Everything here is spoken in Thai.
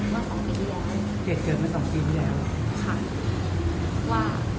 เกษตรคือเกิดมา๒ปีที่แล้ว